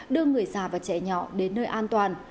đưa người già và trẻ nhỏ đến nơi an toàn